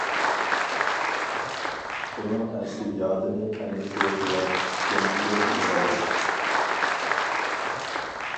ئۇنىڭ ئەس-يادىنى ئەنە شۇ خىيال ئىسكەنجىگە ئېلىۋالدى.